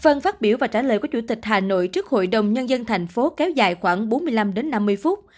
phần phát biểu và trả lời của chủ tịch hà nội trước hội đồng nhân dân thành phố kéo dài khoảng bốn mươi năm đến năm mươi phút